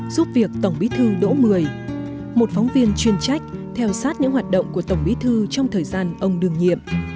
giúp việc tổng bỉ thứ đổ mươi một phóng viên chuyên trách theo sát những hoạt động của tổng bỉ thứ trong thời gian ông đường nhiệm